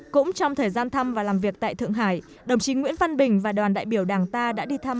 cũng trong thời gian thăm và làm việc tại thượng hải đồng chí nguyễn văn bình và đoàn đại biểu đảng ta đã đi thăm